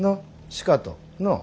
しかとのう？